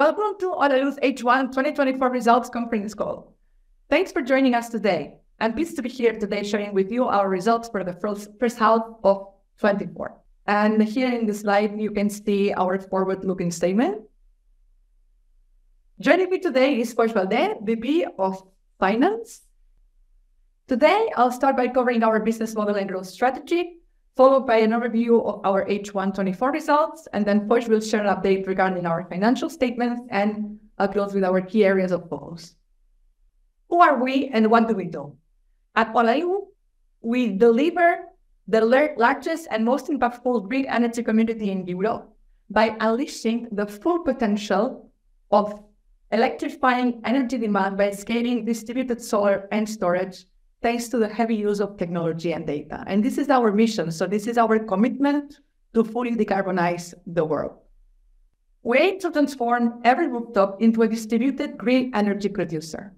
Welcome to Holaluz H1 2024 results conference call. Thanks for joining us today, and pleased to be here today sharing with you our results for the first half of 2024. Here in the slide, you can see our forward-looking statement. Joining me today is Pau Valdés, VP of Finance. Today, I'll start by covering our business model and growth strategy, followed by an overview of our H1 2024 results, and then Pau will share an update regarding our financial statements and close with our key areas of focus. Who are we, and what do we do? At Holaluz, we deliver the largest and most impactful green energy community in Europe by unleashing the full potential of electrifying energy demand by scaling distributed solar and storage, thanks to the heavy use of technology and data. This is our mission, so this is our commitment to fully decarbonize the world. We aim to transform every rooftop into a distributed green energy producer,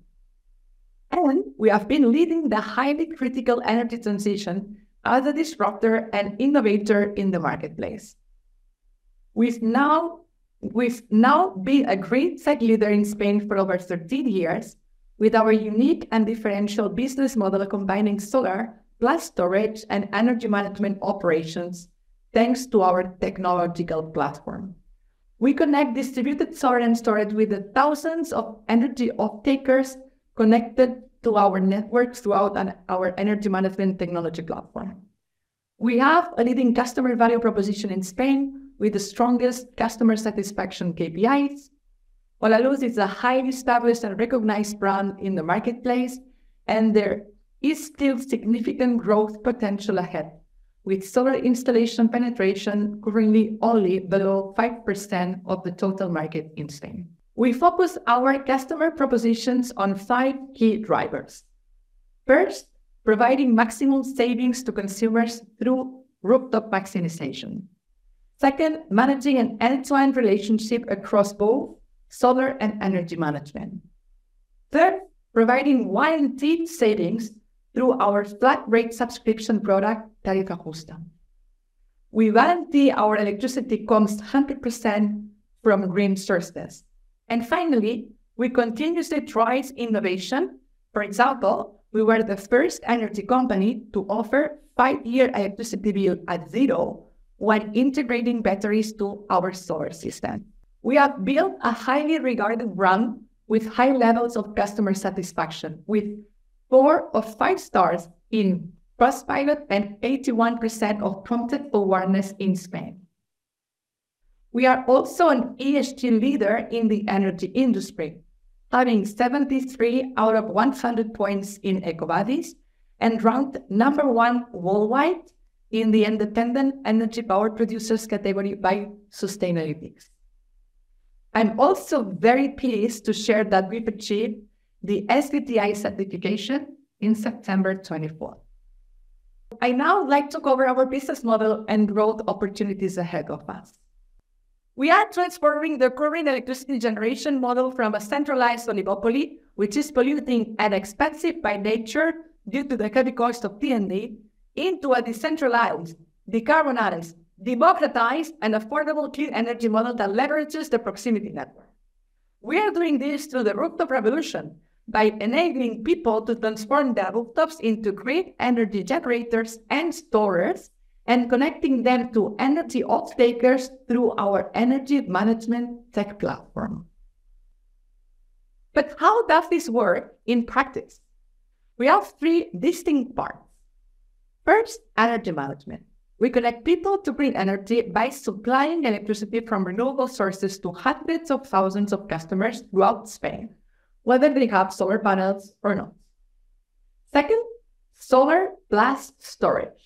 and we have been leading the highly critical energy transition as a disruptor and innovator in the marketplace. We've now been a great tech leader in Spain for over 13 years, with our unique and differential business model combining solar plus storage and energy management operations, thanks to our technological platform. We connect distributed solar and storage with the thousands of energy off-takers connected to our network throughout our energy management technology platform. We have a leading customer value proposition in Spain with the strongest customer satisfaction KPIs. Holaluz is a highly established and recognized brand in the marketplace, and there is still significant growth potential ahead, with solar installation penetration currently only below 5% of the total market in Spain. We focus our customer propositions on five key drivers. First, providing maximum savings to consumers through rooftop maximization. Second, managing an end-to-end relationship across both solar and energy management. Third, providing warranty savings through our flat-rate subscription product, Tarifa Justa. We warranty our electricity costs 100% from green sources. And finally, we continuously drive innovation. For example, we were the first energy company to offer five-year electricity bill at zero while integrating batteries to our solar system. We have built a highly regarded brand with high levels of customer satisfaction, with four of five stars in Trustpilot and 81% of customer awareness in Spain. We are also an ESG leader in the energy industry, having 73 out of 100 points in EcoVadis and ranked number one worldwide in the independent energy power producers category by sustainability. I'm also very pleased to share that we've achieved the SBTi certification in September 2024. I now would like to cover our business model and growth opportunities ahead of us. We are transforming the current electricity generation model from a centralized oligopoly, which is polluting and expensive by nature due to the heavy cost of T&D, into a decentralized, decarbonized, democratized, and affordable clean energy model that leverages the proximity network. We are doing this through the rooftop revolution by enabling people to transform their rooftops into green energy generators and storers, and connecting them to energy off-takers through our energy management tech platform. But how does this work in practice? We have three distinct parts. First, energy management. We connect people to green energy by supplying electricity from renewable sources to hundreds of thousands of customers throughout Spain, whether they have solar panels or not. Second, solar plus storage.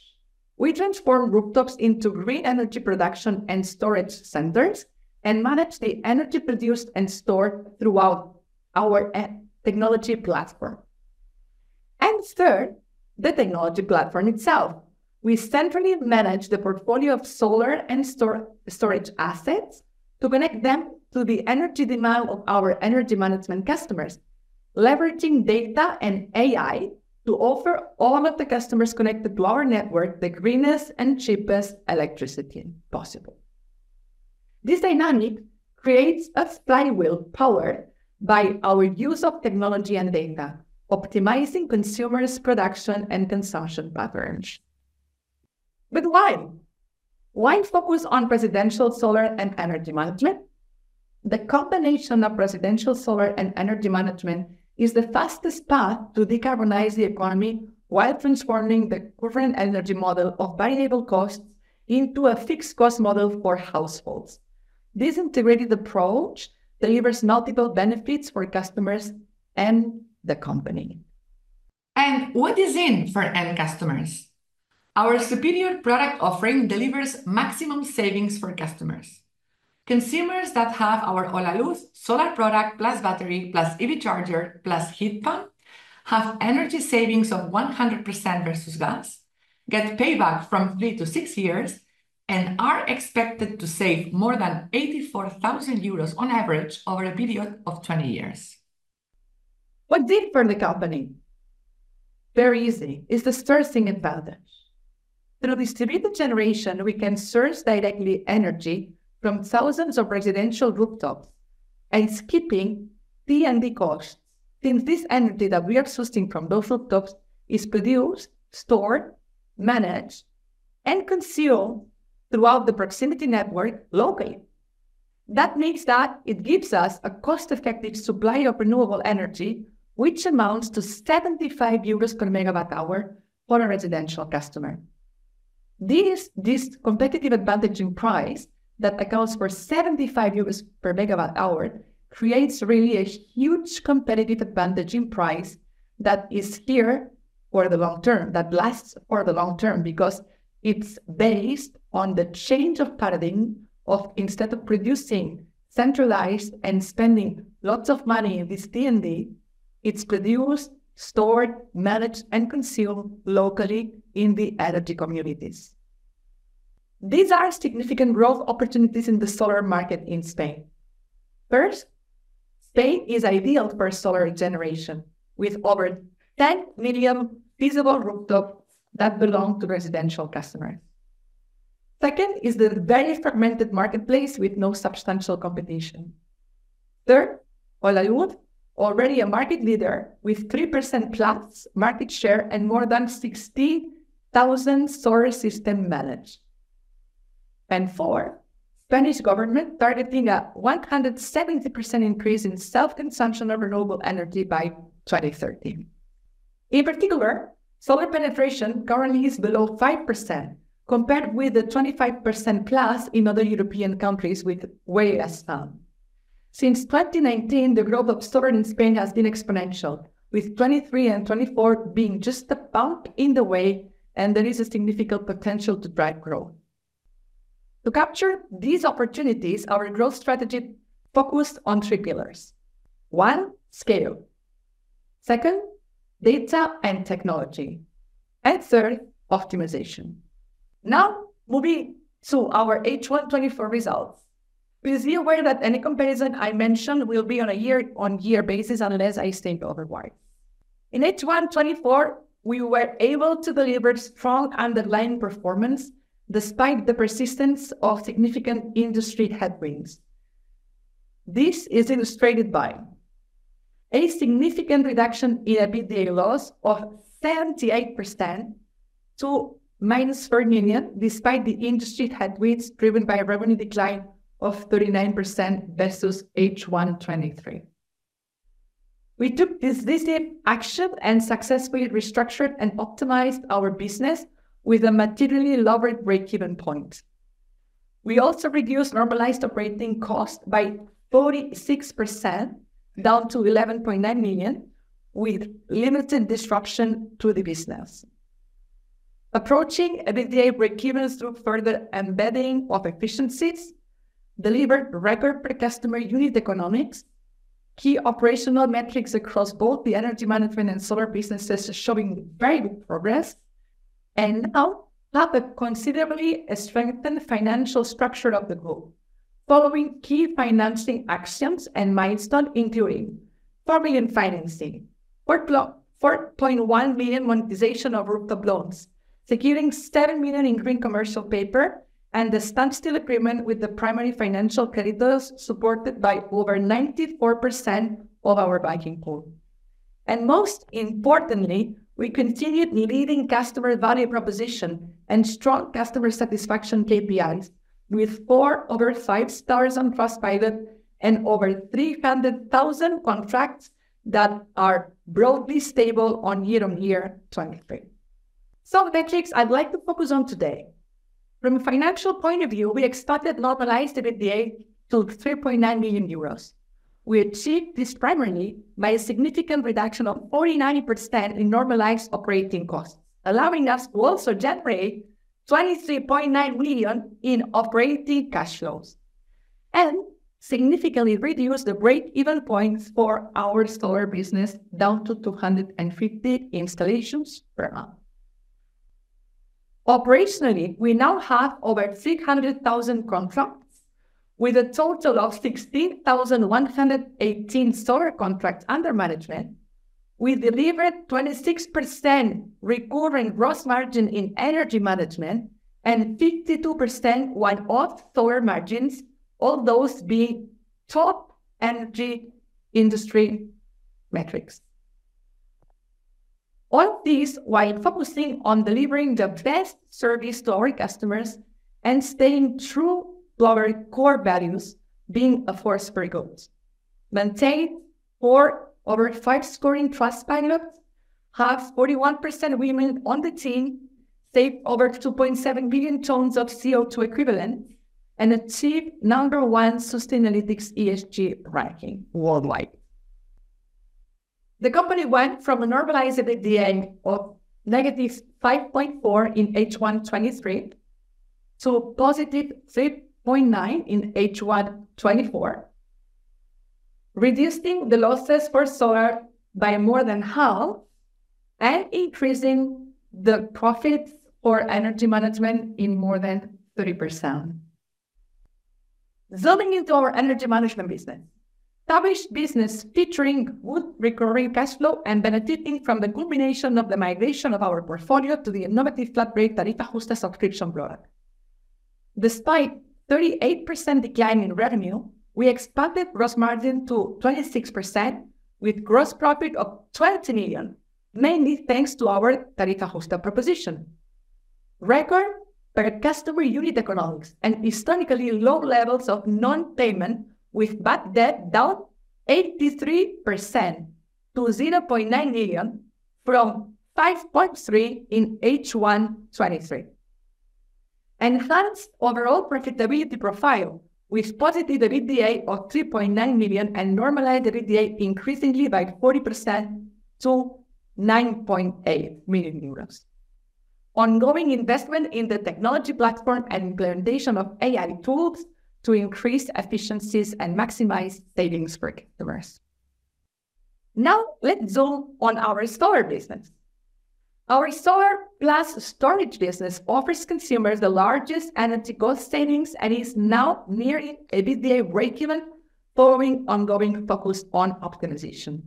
We transform rooftops into green energy production and storage centers and manage the energy produced and stored throughout our technology platform. And third, the technology platform itself. We centrally manage the portfolio of solar and storage assets to connect them to the energy demand of our energy management customers, leveraging data and AI to offer all of the customers connected to our network the greenest and cheapest electricity possible. This dynamic creates a flywheel powered by our use of technology and data, optimizing consumers' production and consumption patterns. But why? Why focus on residential solar and energy management? The combination of residential solar and energy management is the fastest path to decarbonize the economy while transforming the current energy model of variable costs into a fixed cost model for households. This integrated approach delivers multiple benefits for customers and the company. And what is in for end customers? Our superior product offering delivers maximum savings for customers. Consumers that have our Holaluz solar product plus battery plus EV charger plus heat pump have energy savings of 100% versus gas, get payback from three to six years, and are expected to save more than 84,000 euros on average over a period of 20 years. What's in for the company? Very easy. It's the sourcing advantage. Through distributed generation, we can source directly energy from thousands of residential rooftops, and skipping T&D costs, since this energy that we are sourcing from those rooftops is produced, stored, managed, and consumed throughout the proximity network locally. That means that it gives us a cost-effective supply of renewable energy, which amounts to 75 euros per megawatt hour for a residential customer. This competitive advantage in price that accounts for 75 euros per megawatt hour creates really a huge competitive advantage in price that is here for the long term, that lasts for the long term, because it's based on the change of paradigm of instead of producing centralized and spending lots of money in this T&D, it's produced, stored, managed, and consumed locally in the energy communities. These are significant growth opportunities in the solar market in Spain. First, Spain is ideal for solar generation, with over 10 million feasible rooftops that belong to residential customers. Second is the very fragmented marketplace with no substantial competition. Third, Holaluz, already a market leader with 3% plus market share and more than 60,000 solar systems managed. And four, Spanish government targeting a 170% increase in self-consumption of renewable energy by 2030. In particular, solar penetration currently is below 5%, compared with the 25% plus in other European countries with way less sun. Since 2019, the growth of solar in Spain has been exponential, with 2023 and 2024 being just a bump in the way, and there is a significant potential to drive growth. To capture these opportunities, our growth strategy focused on three pillars. One, scale. Second, data and technology. And third, optimization. Now, moving to our H1 2024 results. Please be aware that any comparison I mentioned will be on a year-on-year basis unless I state otherwise. In H1 2024, we were able to deliver strong underlying performance despite the persistence of significant industry headwinds. This is illustrated by a significant reduction in EBITDA loss of 78% to minus 4 million, despite the industry headwinds driven by a revenue decline of 39% versus H1 2023. We took this decisive action and successfully restructured and optimized our business with a materially lowered break-even point. We also reduced normalized operating cost by 46%, down to 11.9 million, with limited disruption to the business. Approaching EBITDA break-evens through further embedding of efficiencies, delivered record-per-customer unit economics, key operational metrics across both the energy management and solar businesses showing very good progress, and now have a considerably strengthened financial structure of the group, following key financing actions and milestones including 4 million financing, 4.1 million monetization of rooftop loans, securing 7 million in green Commercial Paper, and the standstill agreement with the primary financial creditors supported by over 94% of our banking pool. Most importantly, we continued leading customer value proposition and strong customer satisfaction KPIs, with four over five stars on Trustpilot and over 300,000 contracts that are broadly stable on year-on-year 2023. Some metrics I'd like to focus on today. From a financial point of view, we expected normalized EBITDA to 3.9 million euros. We achieved this primarily by a significant reduction of 49% in normalized operating costs, allowing us to also generate 23.9 million in operating cash flows, and significantly reduce the break-even points for our solar business, down to 250 installations per month. Operationally, we now have over 300,000 contracts. With a total of 16,118 solar contracts under management, we delivered 26% recurring gross margin in energy management and 52% one-off solar margins, all those being top energy industry metrics. All this, while focusing on delivering the best service to our customers and staying true to our core values, being a force for good. Maintained four over five-scoring Trustpilot, have 41% women on the team, saved over 2.7 million tons of CO2 equivalent, and achieved number one sustainability ESG ranking worldwide. The company went from a normalized EBITDA of negative 5.4 in H1 2023 to positive 3.9 in H1 2024, reducing the losses for solar by more than half and increasing the profits for energy management in more than 30%. Zooming into our energy management business, established business featuring good recurring cash flow and benefiting from the combination of the migration of our portfolio to the innovative flat-rate Tarifa Justa subscription product. Despite a 38% decline in revenue, we expanded gross margin to 26% with gross profit of 20 million, mainly thanks to our Tarifa Justa proposition. Record per customer unit economics and historically low levels of non-payment, with bad debt down 83% to 0.9 million from 5.3 in H1 2023. Enhanced overall profitability profile with positive EBITDA of 3.9 million and normalized EBITDA increasingly by 40% to 9.8 million euros. Ongoing investment in the technology platform and implementation of AI tools to increase efficiencies and maximize savings for customers. Now, let's zoom on our solar business. Our solar plus storage business offers consumers the largest energy cost savings and is now nearing EBITDA break-even following ongoing focus on optimization.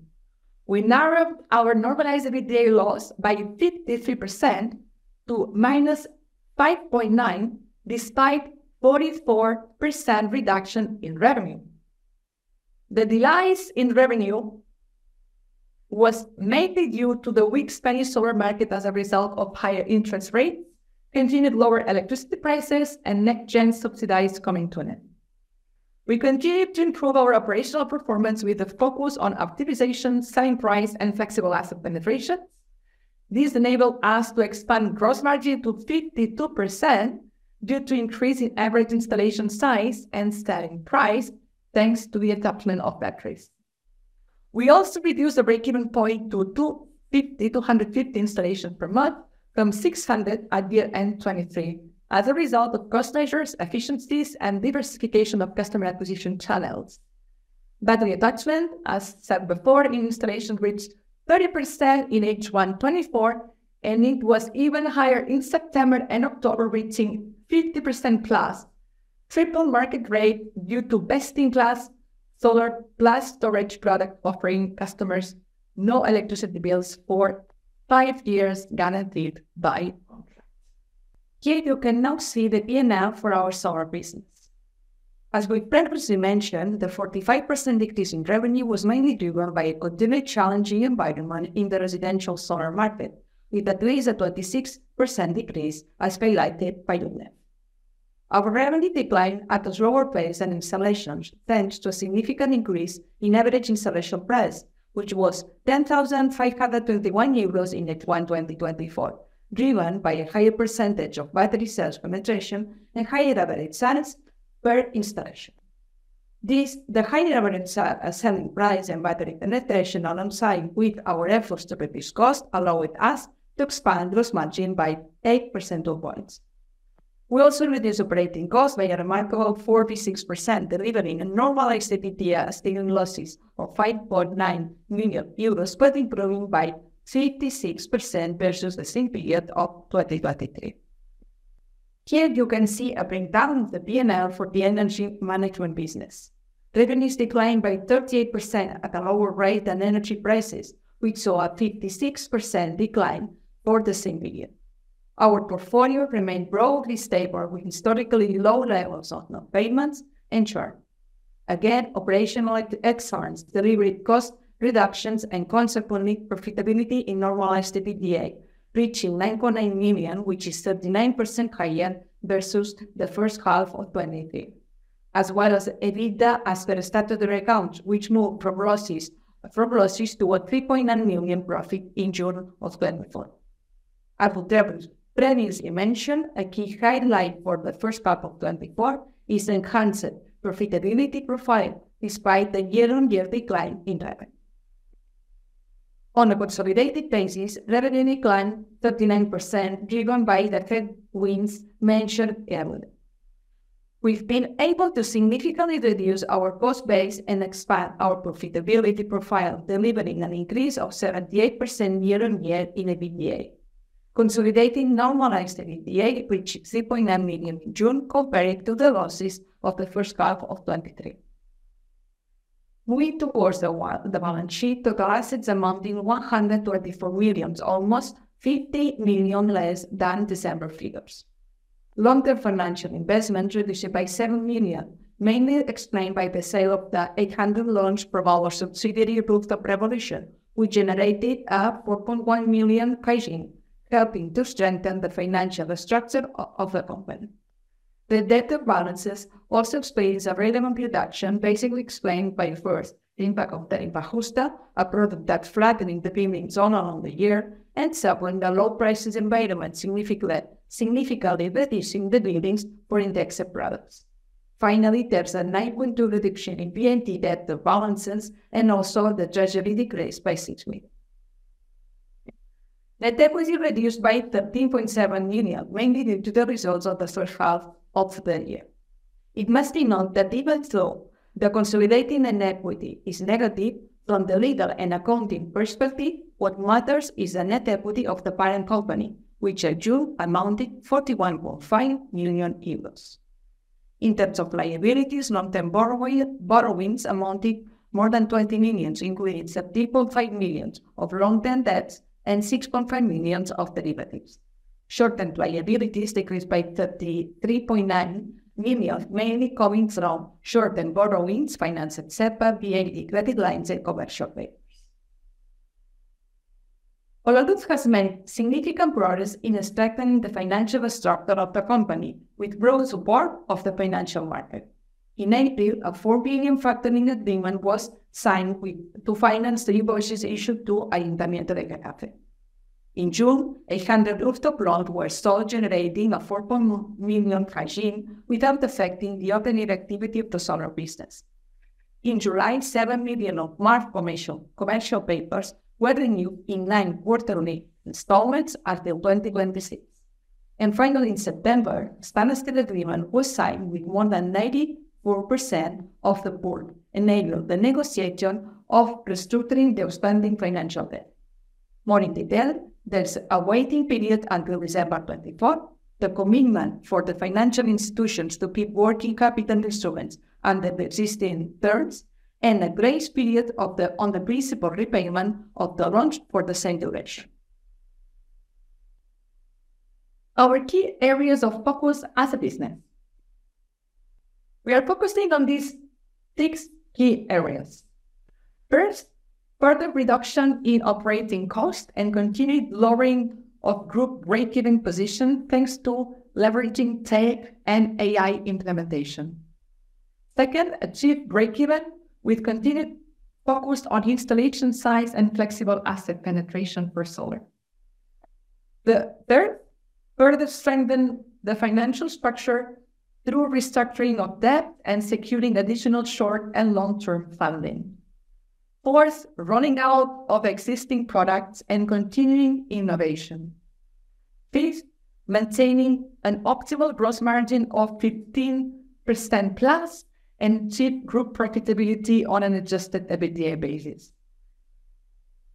We narrowed our normalized EBITDA loss by 53% to minus 5.9 despite a 44% reduction in revenue. The delays in revenue were mainly due to the weak Spanish solar market as a result of higher interest rates, continued lower electricity prices, and next-gen subsidies coming to an end. We continued to improve our operational performance with a focus on optimization, selling price, and flexible asset penetration. This enabled us to expand gross margin to 52% due to increasing average installation size and selling price, thanks to the attachment of batteries. We also reduced the break-even point to 250-250 installations per month from 600 at year-end 2023, as a result of cost measures, efficiencies, and diversification of customer acquisition channels. Battery attachment, as said before, in installation reached 30% in H1 2024, and it was even higher in September and October, reaching 50% plus, triple market rate due to best-in-class solar plus storage product offering customers no electricity bills for five years guaranteed by contract. Here you can now see the P&L for our solar business. As we previously mentioned, the 45% decrease in revenue was mainly driven by a continued challenging environment in the residential solar market, with at least a 26% decrease, as highlighted by UNEF. Our revenue decline at the lower base and installations thanks to a significant increase in average installation price, which was 10,521 euros in H1 2023, driven by a higher percentage of battery cells penetration and higher average sales per installation. The higher average selling price and battery penetration alongside with our efforts to reduce cost allowed us to expand gross margin by 8% points. We also reduced operating cost by a remarkable 46%, delivering a normalized EBITDA still in losses of 5.9 million euros, but improving by 36% versus the same period of 2023. Here you can see a breakdown of the P&L for the energy management business. Revenues declined by 38% at a lower rate than energy prices, which saw a 56% decline for the same period. Our portfolio remained broadly stable with historically low levels of non-payments and churn. Again, operational excellence delivered cost reductions and consequently profitability in normalized EBITDA, reaching €9.9 million, which is 39% higher versus the first half of 2023, as well as EBITDA as per statutory accounts, which moved from losses to a €3.9 million profit in June of 2024. As we previously mentioned, a key highlight for the first half of 2024 is the enhanced profitability profile despite the year-on-year decline in revenue. On a consolidated basis, revenue declined 39%, driven by the headwinds mentioned earlier. We've been able to significantly reduce our cost base and expand our profitability profile, delivering an increase of 78% year-on-year in EBITDA, consolidating normalized EBITDA, reaching €3.9 million in June, compared to the losses of the first half of 2023. Moving towards the balance sheet, total assets amounting to €124 million, almost €50 million less than December figures. Long-term financial investment reduced by 7 million, mainly explained by the sale of the 800 loans via hour subsidiary Rooftop Revolution, which generated a 4.1 million cash in, helping to strengthen the financial structure of the company. The debtor balances also experienced a relevant reduction, basically explained by, first, the impact of Tarifa Justa, a product that flattened the billing zone along the year and supplemented the low prices environment, significantly reducing the billings for indexed products. Finally, there's a 9.2% reduction in B2C debtor balances and also the treasury decreased by 6 million. Net equity reduced by 13.7 million, mainly due to the results of the first half of the year. It must be noted that even though the consolidating net equity is negative from the legal and accounting perspective, what matters is the net equity of the parent company, which in June amounted to 41.5 million euros. In terms of liabilities, long-term borrowings amounted to more than €20 million, including €13.5 million of long-term debts and €6.5 million of derivatives. Short-term liabilities decreased by €33.9 million, mainly coming from short-term borrowings, financed at SEPA, BNP credit lines, and commercial papers. Holaluz has made significant progress in strengthening the financial structure of the company, with growing support of the financial market. In April, a €4 billion factoring agreement was signed to finance the invoices issued to Ayuntamiento de Calafell. In June, 800 rooftop loans were sold, generating a €4.1 million cash in without affecting the operating activity of the solar business. In July, €7 million of MARF emission commercial papers were renewed in nine quarterly installments until 2026. And finally, in September, a standstill agreement was signed with more than 94% of the banking pool, enabling the negotiation of restructuring the outstanding financial debt. More in detail, there's a waiting period until December 2024, the commitment for the financial institutions to keep working capital instruments under the existing terms, and a grace period on the principal repayment of the loans for the same duration. Our key areas of focus as a business. We are focusing on these six key areas. First, further reduction in operating cost and continued lowering of group break-even position, thanks to leveraging tech and AI implementation. Second, achieved break-even with continued focus on installation size and flexible asset penetration for solar. The third, further strengthened the financial structure through restructuring of debt and securing additional short and long-term funding. Fourth, running out of existing products and continuing innovation. Fifth, maintaining an optimal gross margin of 15% plus and achieved group profitability on an adjusted EBITDA basis.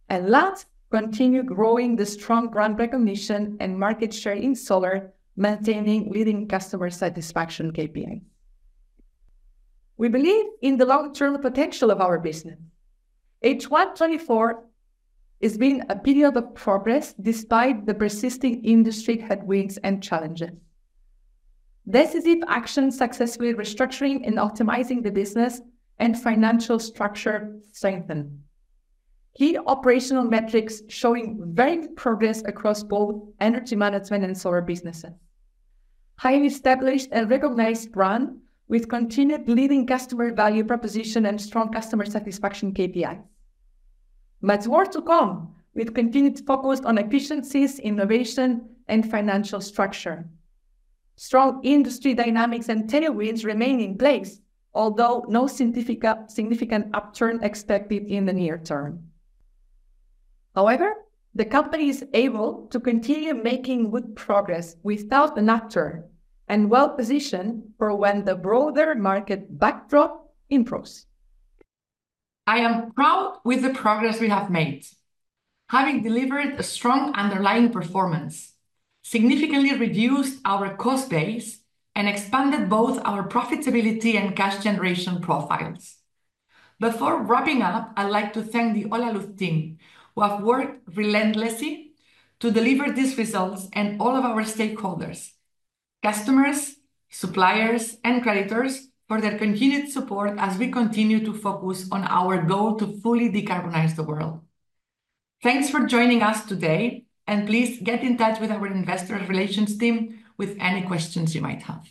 And last, continued growing the strong brand recognition and market share in solar, maintaining leading customer satisfaction KPIs. We believe in the long-term potential of our business. H1 2024 has been a period of progress despite the persisting industry headwinds and challenges. Decisive actions successfully restructuring and optimizing the business and financial structure strengthened. Key operational metrics showing very good progress across both energy management and solar businesses. Highly established and recognized brand with continued leading customer value proposition and strong customer satisfaction KPIs. Much more to come with continued focus on efficiencies, innovation, and financial structure. Strong industry dynamics and tailwinds remain in place, although no significant upturn expected in the near term. However, the company is able to continue making good progress without an upturn and well positioned for when the broader market backdrop improves. I am proud with the progress we have made. Having delivered a strong underlying performance, significantly reduced our cost base, and expanded both our profitability and cash generation profiles. Before wrapping up, I'd like to thank the Holaluz team who have worked relentlessly to deliver these results and all of our stakeholders, customers, suppliers, and creditors for their continued support as we continue to focus on our goal to fully decarbonize the world. Thanks for joining us today, and please get in touch with our investor relations team with any questions you might have.